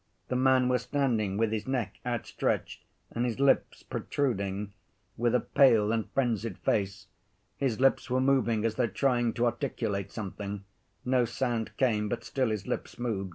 The man was standing with his neck outstretched and his lips protruding, with a pale and frenzied face. His lips were moving as though trying to articulate something; no sound came, but still his lips moved.